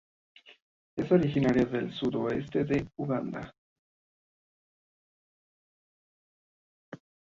Es originaria del sudoeste de Uganda.